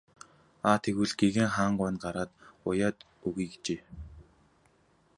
Аа тэгвэл гэгээн хаан гуай нь гараад уяад өгье гэжээ.